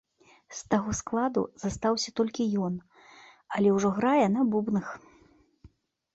З таго складу застаўся толькі ён, але ўжо грае на бубнах.